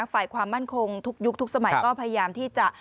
ฝ่ายความมั่นคงทุกยุคทุกสมัยก็พยายามที่จะ